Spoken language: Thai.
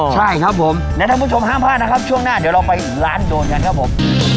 ใช่ครับผมและท่านผู้ชมห้ามพลาดนะครับช่วงหน้าเดี๋ยวเราไปร้านโดนกันครับผม